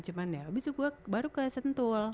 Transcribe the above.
cuman ya abis itu gue baru ke sentul